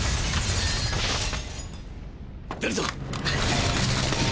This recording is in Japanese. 出るぞ。